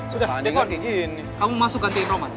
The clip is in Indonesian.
sudah dekon kamu masuk gantiin roman